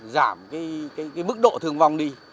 giảm cái mức độ thương vong đi